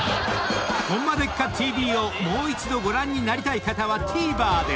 ［『ホンマでっか⁉ＴＶ』をもう一度ご覧になりたい方はＴＶｅｒで！］